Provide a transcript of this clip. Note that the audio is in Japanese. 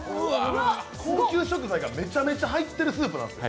高級食材がめちゃめちゃ入ってるスープなんです。